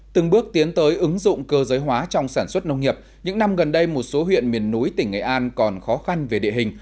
từng bước tiến tới ứng dụng cơ giới hóa trong sản xuất nông nghiệp những năm gần đây một số huyện miền núi tỉnh nghệ an còn khó khăn về địa hình